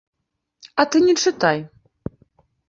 А ты не чытай.